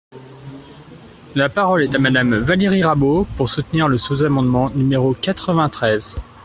La parole est à Madame Valérie Rabault, pour soutenir le sous-amendement numéro quatre-vingt-treize.